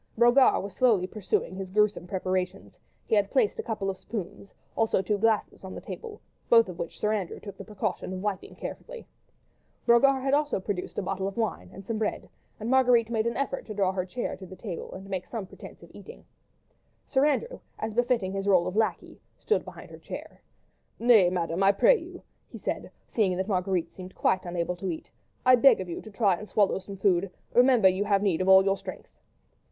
Brogard was slowly pursuing his gruesome preparations; he had placed a couple of spoons, also two glasses on the table, both of which Sir Andrew took the precaution of wiping carefully. Brogard had also produced a bottle of wine and some bread, and Marguerite made an effort to draw her chair to the table and to make some pretence at eating. Sir Andrew, as befitting his rôle of lacquey, stood behind her chair. "Nay, Madame, I pray you," he said, seeing that Marguerite seemed quite unable to eat, "I beg of you to try and swallow some food—remember you have need of all your strength."